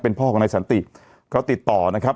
เป็นพ่อกับนายสันติเขาติดต่อนะครับ